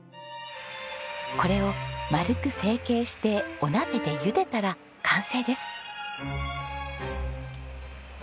これを丸く成型してお鍋でゆでたら完成です。